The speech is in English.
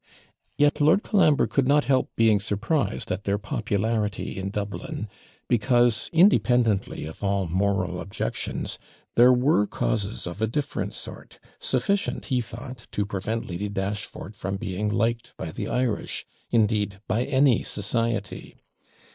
Yet Lord Colambre could not help being surprised at their popularity in Dublin, because, independently of all moral objections, there were causes of a different sort, sufficient, he thought, to prevent Lady Dashfort from being liked by the Irish; indeed by any society.